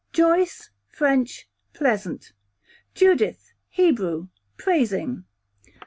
_ Joyce, French, pleasant. Judith, Hebrew, praising.